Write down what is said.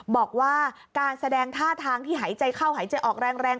บอกว่าการแสดงท่าทางที่หายใจเข้าหายใจออกแรง